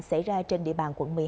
xảy ra trên địa bàn quận một mươi hai